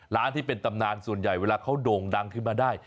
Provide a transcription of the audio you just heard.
ที่เป็นตำนานส่วนใหญ่เวลาเขาโด่งดังขึ้นมาได้